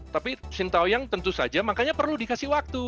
tapi sintayong tentu saja makanya perlu dikasih waktu